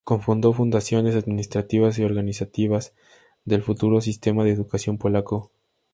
Cofundó fundaciones administrativas y organizativas del futuro sistema de educación polaco.